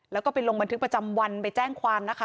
แล้วก็ไปลงบันทึกประจำวันไปแจ้งความนะคะ